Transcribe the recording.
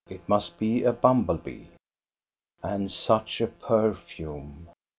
It must be a bumblebee. And such a perfume!